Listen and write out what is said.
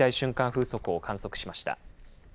風速を観測しました。